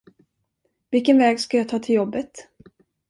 Vilken väg ska jag ta till jobbet?